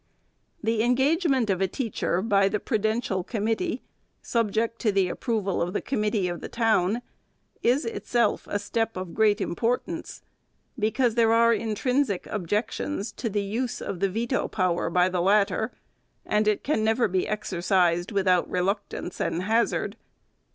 The engagement of a teacher by the prudential com mittee, subject to the approval of the committee of the 392 THE SECRETARY'S town, is itself a step of great importance ; because there are intrinsic objections to the use of the veto power by the latter, and it can never be exercised without reluc tance and hazard.